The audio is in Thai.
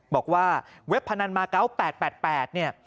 บอกว่าเว็บพนันมาเกาะ๘๘เนี่ย